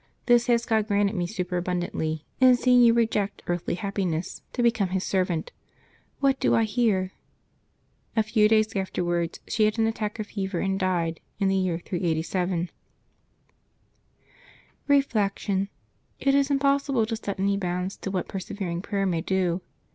This has God granted me supera bundantly in seeing you reject earthly happiness to become His servant. What do I here ?" A few days afterwards she had an attack of fever, and died in the year 387. Reflection. — It is impossible to set any bounds to what persevering prayer may do.